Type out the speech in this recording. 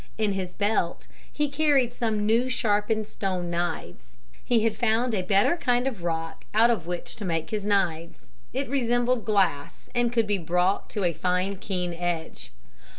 In his belt he carried some new sharpened stone knives. He had found a better kind of rock out of which to make his knives. It resembled glass and could be brought to a fine, keen edge.